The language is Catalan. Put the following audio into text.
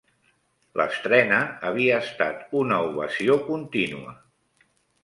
L'estrena havia estat una ovació contínua